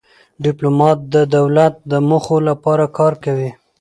ډيپلومات د دولت د موخو لپاره کار کوي.